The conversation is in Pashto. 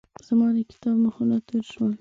زما د کتاب مخونه تور شول.